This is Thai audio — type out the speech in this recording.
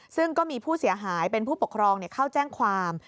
ซึ่งก็มีผู้เสียหายเป็นผู้ปกครองเข้าแจ้งความ